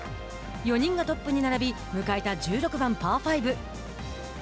４人がトップに並び迎えた、１６番パー５。